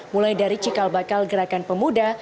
mulai dari cikal bakal gerakan pemuda